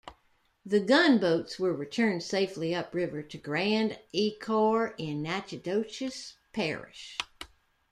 The gunboats were returned safely upriver to Grand Ecore in Natchitoches Parish.